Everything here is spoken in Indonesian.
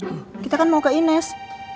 oh kita kan mau ke ines